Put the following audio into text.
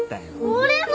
俺も！